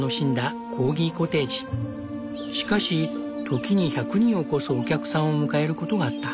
しかし時に１００人を超すお客さんを迎えることがあった。